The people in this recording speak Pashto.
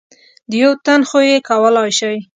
د یو تن خو یې کولای شئ .